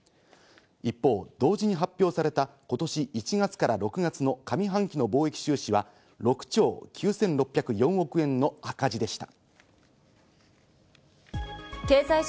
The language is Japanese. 一方、同時に発表された、ことし１月から６月の上半期の貿易収支は６兆９６０４億円の赤字でした。